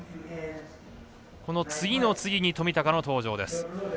この次の次に冨高の登場です。